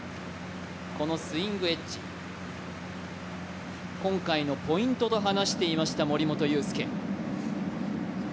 このスイングエッジ、今回のポイントと話していました森本裕介。